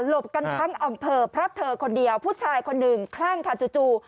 หลบกันทั้งอำเภอพรับเธอคนเดียวผู้ชายคนหนึ่งแคล้งคาจูจู